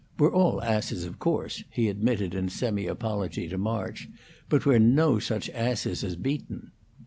"We're all asses, of course," he admitted, in semi apology to March; "but we're no such asses as Beaton."